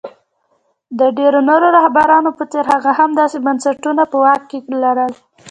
د ډېرو نورو رهبرانو په څېر هغه هم داسې بنسټونه په واک کې لرل.